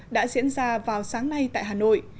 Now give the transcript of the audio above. đã diễn ra vào sáng nay tại hà nội